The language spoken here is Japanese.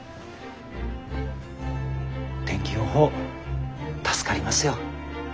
天気予報助かりますよ。